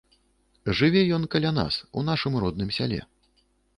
Жыве ён каля нас, у нашым родным сяле.